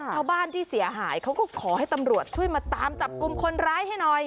ชาวบ้านที่เสียหายเขาก็ขอให้ตำรวจช่วยมาตามจับกลุ่มคนร้ายให้หน่อย